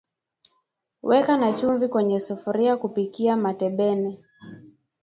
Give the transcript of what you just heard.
weka na chumvi kwenye sufuria kupikia matembele